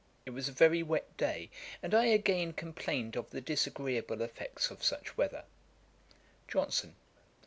It was a very wet day, and I again complained of the disagreeable effects of such weather. JOHNSON.